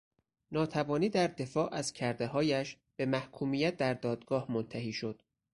ناتوانی در دفاع از کردههایش، به محکومیت در دادگاه منتهی شد